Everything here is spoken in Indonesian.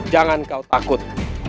jangan kau takut